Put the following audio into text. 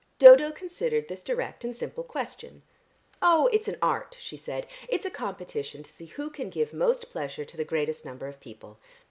Dodo considered this direct and simple question. "Oh, it's an art," she said. "It's a competition to see who can give most pleasure to the greatest number of people.